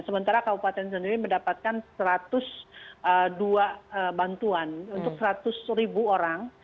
sementara kabupaten sendiri mendapatkan satu ratus dua bantuan untuk seratus ribu orang